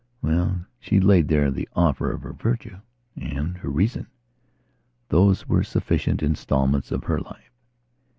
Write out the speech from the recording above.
Well, she laid there the offer of her virtueand her reason. Those were sufficient instalments of her life.